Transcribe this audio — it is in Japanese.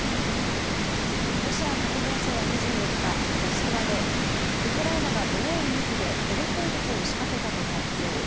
ロシア国防省は２４日、モスクワでウクライナがドローン２機でテロ攻撃を仕掛けたと発表。